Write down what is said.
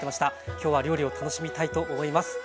今日は料理を楽しみたいと思います。